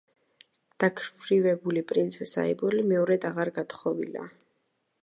დაქვრივებული პრინცესა ებოლი მეორედ აღარ გათხოვილა.